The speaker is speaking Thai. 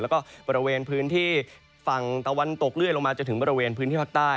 แล้วก็บริเวณพื้นที่ฝั่งตะวันตกเลื่อยลงมาจนถึงบริเวณพื้นที่ภาคใต้